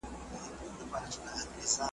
مخطوبه هغه ښځه ده، چي بل چا خِطبه ور ليږلې وي.